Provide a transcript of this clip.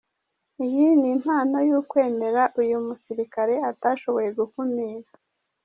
Iyi ni impano y’ukwemera uyu musirikare atashoboye gukumira.